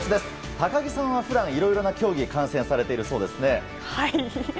高木さんは、普段いろいろな競技を観戦されているそうですね。